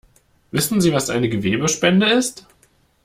Wissen Sie, was eine Gewebespende ist?